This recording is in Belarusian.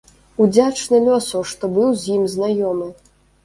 Удзячны лёсу, што быў з ім знаёмы.